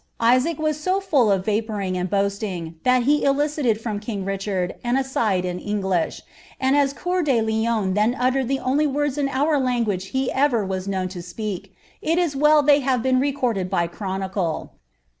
I«aar was so full of vapouring and boasting, that he elicited from _■ HiclinrtI an "aside" in English; and as Cceur de Lion then uitere<l < idv winds in our language he ever was known to speak, it is well . iiMve been recorded by chronicle.